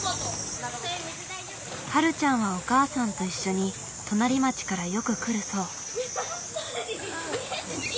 はるちゃんはお母さんと一緒に隣町からよく来るそう。